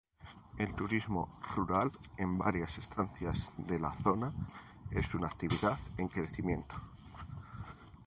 El turismo rural en varias estancias de la zona es una actividad en crecimiento.